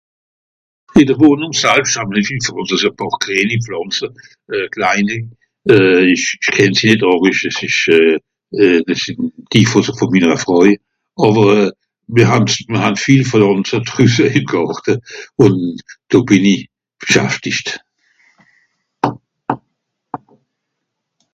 Ìn de Wohnùng (...) e pààr grìeni Pflànze, euh kleini. Euh... ìch kenn sie nìt àrisch es ìsch euh... euh... die vù... vù minere Fràui. Àwer euh... mìr han's... mìr han viel vùn (...) drüsse ìm Gàrte. Ùn do bìn i (...).